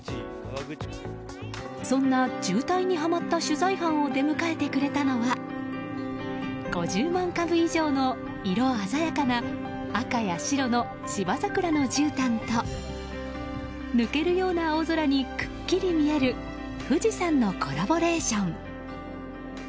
そんな渋滞にはまった取材班を出迎えてくれたのは５０万株以上の色鮮やかな赤や白の芝桜のじゅうたんと抜けるような青空にくっきり見える富士山のコラボレーション。